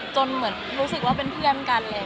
เหมือนรู้สึกว่าเป็นเพื่อนกันเลย